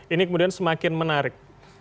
ini kemudian semakin menarik